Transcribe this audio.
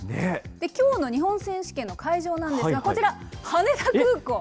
きょうの日本選手権の会場なんですが、こちら、羽田空港。